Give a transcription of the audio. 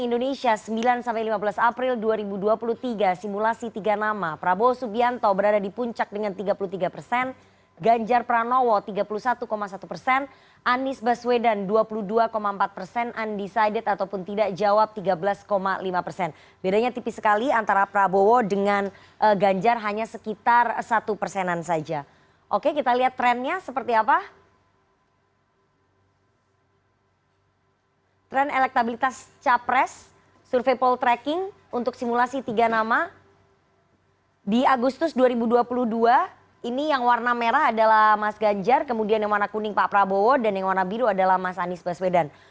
di agustus dua ribu dua puluh dua ini yang warna merah adalah mas ganjar kemudian yang warna kuning pak prabowo dan yang warna biru adalah mas anies baswedan